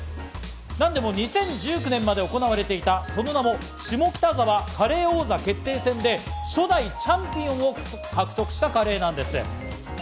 なんでも２０１９年まで行われていた、その名も下北沢カレー王座決定戦で初代チャンピオンを獲得したカレーなんです。